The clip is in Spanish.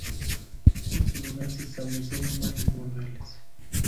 En su lugar se establecieron varios burdeles.